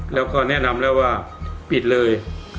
เราก็แนะนำว่าปิดเลย